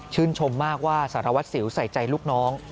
ชมมากว่าสารวัตรสิวใส่ใจลูกน้อง